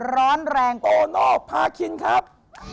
ร้อนแรงโตโน่พาคินครับ